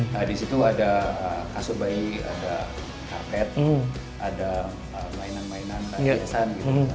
nah disitu ada kasut bayi ada karpet ada mainan mainan kakisan gitu